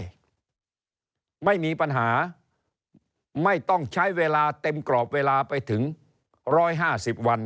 ไม่มีปัญหาไม่ต้องใช้เวลาเต็มกรอบเวลาไปถึง๑๕๐วัน